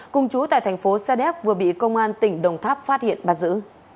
cùng chú tại thành phố sa đéc vừa bị công an tỉnh đồng tháp phát hiện bắt giữ